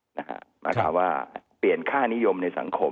หมายความว่าเปลี่ยนค่านิยมในสังคม